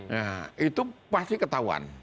nah itu pasti ketahuan